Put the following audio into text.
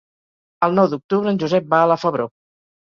El nou d'octubre en Josep va a la Febró.